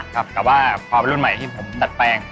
แต่ว่าพอรุ่นใหม่ที่ผมตัดแปลง